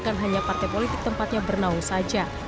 bukan hanya partai politik tempatnya bernaung saja